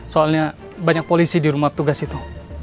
soalnya banyak polisi di rumah tugas itu